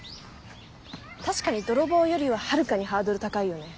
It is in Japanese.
確かに泥棒よりははるかにハードル高いよね。